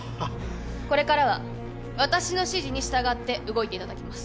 これからは私の指示に従って動いていただきます。